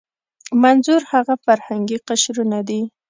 منظور هغه فرهنګي قشرونه دي.